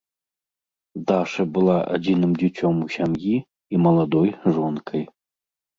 Даша была адзіным дзіцём у сям'і і маладой жонкай.